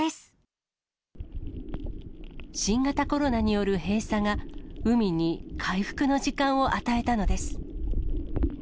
新型コロナによる閉鎖が、海に回復の時間を与えたのです。